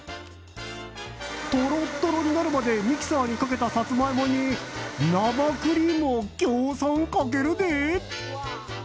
トロットロになるまでミキサーにかけたサツマイモに生クリームをぎょうさんかけるで。